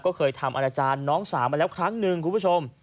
ก็เคยทำอาณาจารย์น้องสาวมาแล้วครั้งหนึ่งคุณผู้ชม